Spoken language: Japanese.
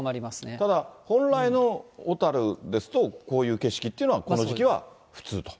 ただ本来の小樽ですと、こういう景色というのは、この時期は普通と。